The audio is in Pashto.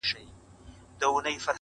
o ما ويل ددې به هېرول نه وي زده.